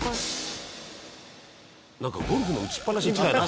なんかゴルフの打ちっぱなしみたいな。